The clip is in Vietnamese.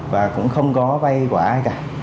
và cũng không có vai của ai cả